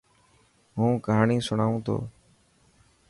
هون ڪهاڻي سڻوان تو.